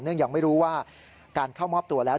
ยังไม่รู้ว่าการเข้ามอบตัวแล้ว